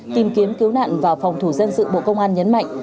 tìm kiếm cứu nạn và phòng thủ dân sự bộ công an nhấn mạnh